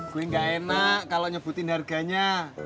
gue gak enak kalau nyebutin harganya